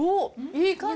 いい感じ。